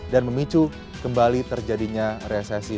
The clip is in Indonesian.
dan memicu kembali terjadinya resesi